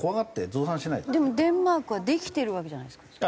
でもデンマークはできてるわけじゃないですか。